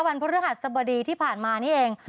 พฤหัสบดีที่ผ่านมานี่เอง